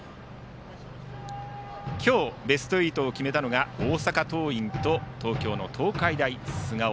今日、ベスト８を決めたのが大阪桐蔭と東京の東海大菅生。